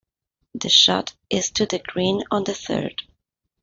The shot is to the green on the third.